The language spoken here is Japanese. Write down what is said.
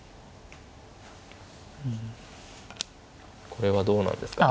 これはどうなんですか